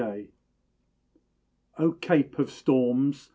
_ O Cape of Storms!